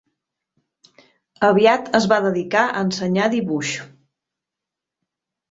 Aviat es va dedicar a ensenyar dibuix.